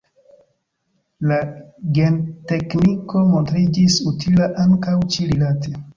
La gentekniko montriĝis utila ankaŭ ĉi-rilate.